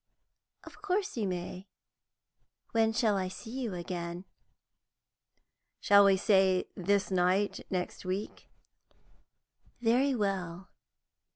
"Of course you may. When shall I see you again?" "Shall we say this night next week?" "Very well.